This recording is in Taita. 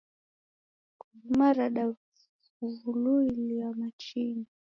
Nguluma radavululia machinyi.